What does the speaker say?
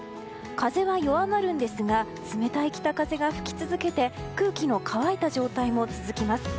風は弱まるんですが冷たい北風が吹き続けて空気の乾いた状態も続きます。